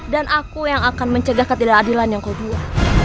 dan aku yang akan mencegah ketidakadilan yang kedua